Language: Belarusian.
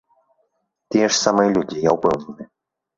Тыя ж самыя людзі, я ўпэўнены.